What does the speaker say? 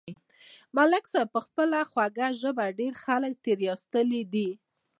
ملک صاحب په خپله خوږه ژبه ډېر خلک تېر ایستلي دي.